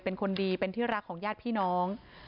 เป็นคนดีเป็นที่รักของญาติพี่น้อง